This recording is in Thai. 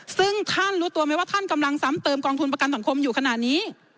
ซึ่งท่านรู้ตัวไหมว่าท่านกำลังซ้ำเติมกองทุนประกันสังคมอยู่ขนาดนี้